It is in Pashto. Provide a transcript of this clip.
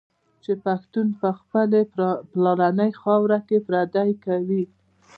چي پښتون په خپلي پلرنۍ خاوره کي پردی کوي